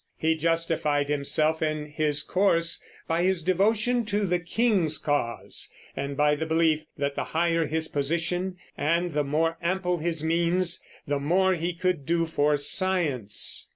He justified himself in his course by his devotion to the king's cause, and by the belief that the higher his position and the more ample his means the more he could do for science.